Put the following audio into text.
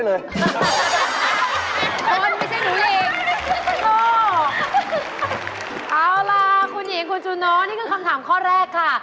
เอาล่ะคุณหญิงคุณจูโนนี่คือคำถามข้อแรกค่ะ